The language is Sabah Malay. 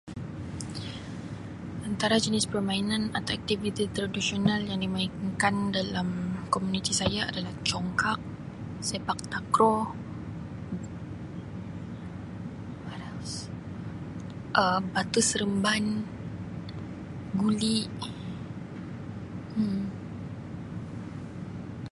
"Antara jenis permainan atau aktiviti tradisional yang dimainkan dalam komuniti saya adalah Congkak, Sepak Takraw, ""what else"" Um Batu Seremban, Guli Um. "